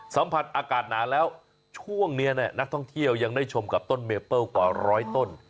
สัมผัสอากาศหนาวแล้วช่วงนี้นักท่องเที่ยวยังได้ชมกับต้นเมเปิ้ลกว่าร้อยต้น